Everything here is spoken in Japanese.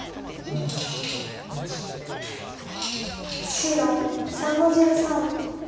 白３の十三。